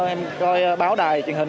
em coi báo đài truyền hình